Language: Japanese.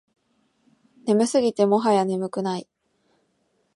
眠すぎてもはや眠くない